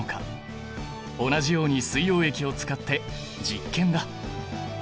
同じように水溶液を使って実験だ！